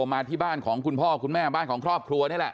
มาที่บ้านของคุณพ่อคุณแม่บ้านของครอบครัวนี่แหละ